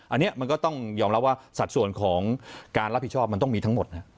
อันนี้มันก็ต้องยอมรับว่าสัดส่วนของการรับผิดชอบมันต้องมีทั้งหมด